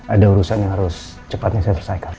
ada urusan yang harus cepatnya saya selesaikan